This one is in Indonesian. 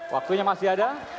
waktunya masih ada